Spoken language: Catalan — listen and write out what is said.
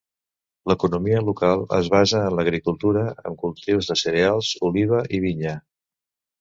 L'economia local es basa en l'agricultura amb cultius de cereal, oliva i vinya.